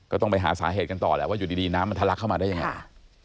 ก็ต้องไปหาสาเหตุกันต่อแหละว่าอยู่ดีน้ำมันทะลักเข้ามาได้ยังไง